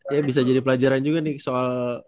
ya bisa jadi pelajaran juga nih soal